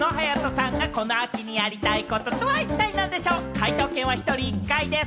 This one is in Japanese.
解答権は１人１回です。